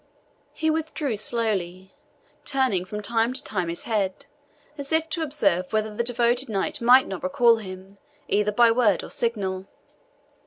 He withdrew slowly, turning from time to time his head, as if to observe whether the devoted knight might not recall him either by word or signal.